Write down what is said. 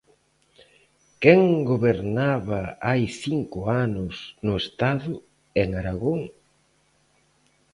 ¿Quen gobernaba hai cinco anos no Estado e en Aragón?